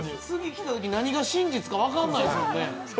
次、来たときに何が真実か分かんないですもんね。